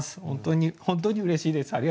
本当に本当にうれしいです。